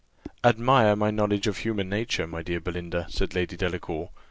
"Admire my knowledge of human nature, my dear Belinda," said Lady Delacour.